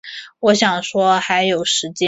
我想说还有时间